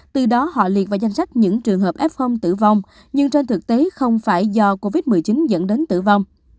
từ đó họ liệt vào danh sách những trường hợp f tử vong nhưng trên thực tế không phải do covid một mươi chín dẫn đến tử vong